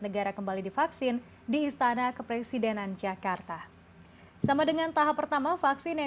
negara kembali divaksin di istana kepresidenan jakarta sama dengan tahap pertama vaksin yang